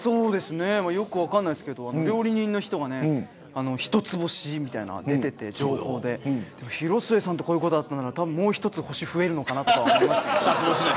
よく分からないですけど料理人の人が一つ星と出ていて広末さんとこういうことがあったのならもう１つ星が増えるのかな。